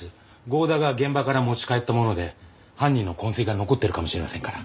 剛田が現場から持ち帰ったもので犯人の痕跡が残ってるかもしれませんから。